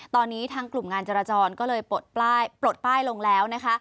ตอนนี้ทางกลุ่มงานจราจรก็เลยปลดป้ายลงแล้วนะคะ